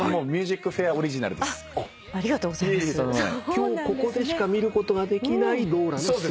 今日ここでしか見ることができないローラの姿？